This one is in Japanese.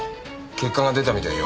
結果が出たみたいよ。